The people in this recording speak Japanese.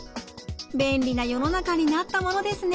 便利な世の中になったものですね！